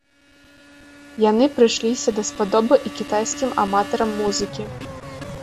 Яны прыйшліся даспадобы і кітайскім аматарам музыкі.